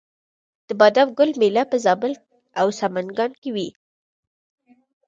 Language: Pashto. د بادام ګل میله په زابل او سمنګان کې وي.